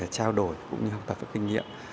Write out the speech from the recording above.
trao đổi cũng như học tập và kinh nghiệm